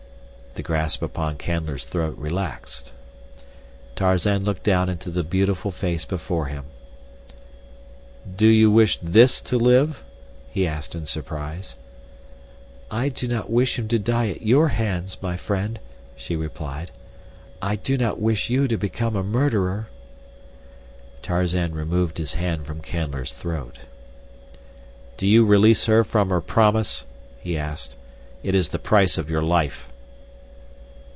The grasp upon Canler's throat relaxed. Tarzan looked down into the beautiful face before him. "Do you wish this to live?" he asked in surprise. "I do not wish him to die at your hands, my friend," she replied. "I do not wish you to become a murderer." Tarzan removed his hand from Canler's throat. "Do you release her from her promise?" he asked. "It is the price of your life."